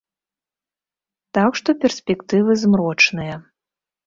Так што перспектывы змрочныя.